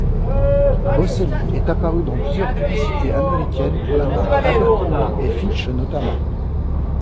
Boselli est apparu dans plusieurs publicités américaines pour la marque Abercrombie & Fitch notamment.